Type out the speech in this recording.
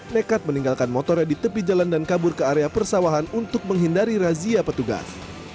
nekat meninggalkan motornya di tepi jalan dan kabur ke area persawahan untuk menghindari razia petugas